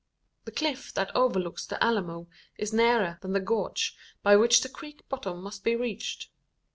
The cliff that overlooks the Alamo is nearer than the gorge, by which the creek bottom must be reached.